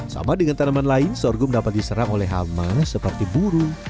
sama dengan tanaman lain sorghum dapat diserang oleh hama seperti burung